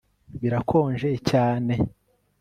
birakonje cyane